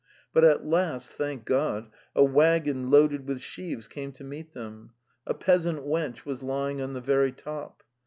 . But at last, thank God, a waggon loaded with sheaves came to meet them; a peasant wench was ly ing on the very top.